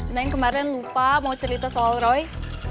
neng kemarin lupa mau cerita soal roy